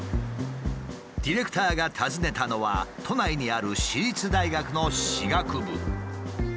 ディレクターが訪ねたのは都内にある私立大学の歯学部。